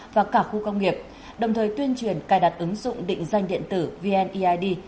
và cả khu công nghiệp đồng thời tuyên truyền cài đặt ứng dụng định danh điện tử vneid